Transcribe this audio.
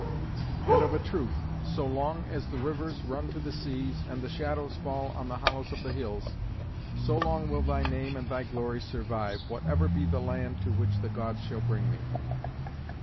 And, of a truth, so long as the rivers run to the seas, and the shadows fall on the hollows of the hills, so long will thy name and thy glory survive, whatever be the land to which the Gods shall bring me."